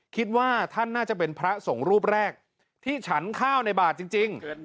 คิดว่าท่านน่าจะเป็นพระสงฆ์รูปแรกที่ฉันข้าวในบาทจริง